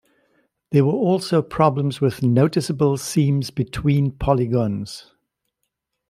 There were also problems with noticeable seams between polygons.